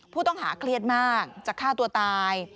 ผู้ต้องหาเครียดมากจะฆ่าตัวตาย